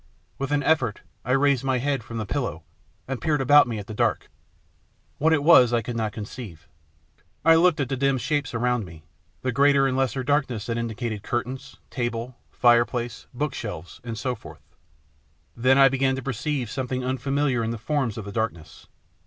With an effort I raised my head from the pillow, and peered about me at the dark. What it was I could not conceive. I looked at the dim shapes around me, the greater and 60 THE PLATTNER STORY AND OTHERS lesser darknesses that indicated curtains, table, fire place, bookshelves, and so forth. Then I began to perceive something unfamiliar in the forms of the darkness.